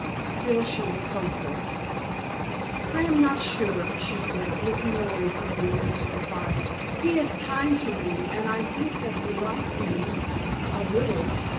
Still she was hopeful. "I am not sure," she said, looking away from me into the fire. "He is kind to me, and I think that he likes me a little.